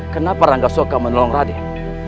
kenapa rangga suka menolong raden